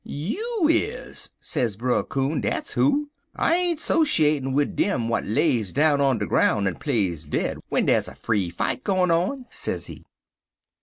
"'You is,' sez Brer Coon, 'dat's who. I ain't soshatin' wid dem w'at lays down on de groun' en plays dead w'en dar's a free fight gwine on,' sezee.